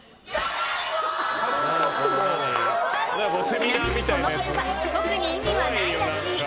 ちなみに、この言葉特に意味はないらしい。